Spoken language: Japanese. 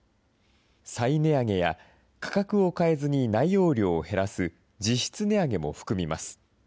再値上げや価格を変えずに内容量を減らす実質値上げも含みます。